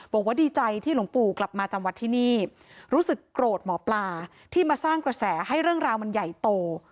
บอกว่าดีใจที่หลวงปู่กลับมาจำวัดที่นี่รู้สึกโกรธหมอปลาที่มาสร้างกระแสให้เรื่องราวมันใหญ่โต